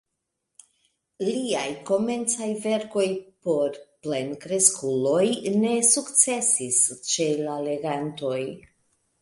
Liaj komencaj verkoj por plenkreskuloj ne sukcesis ĉe la legantoj.